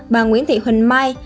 bà nguyễn thị huỳnh mai